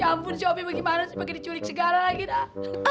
ya ampun sih opi bagaimana sih bagaimana diculik segala lagi dah